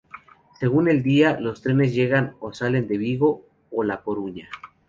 Según el día, los trenes llegan o salen de Vigo o La Coruña.